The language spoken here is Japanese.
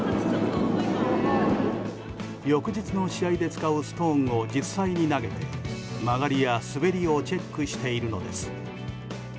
翌日の試合で使うストーンを実際に投げて曲がりや滑りをチェックしているのです。